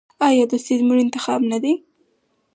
آیا دوستي زموږ انتخاب نه دی؟